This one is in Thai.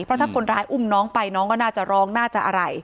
เพราะถ้าคนร้ายอุ้มน้องไปน้องก็น่าจะร้องน่าจะอะไร